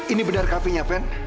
ini benar kapinya ven